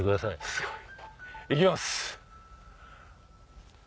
すごい行きます。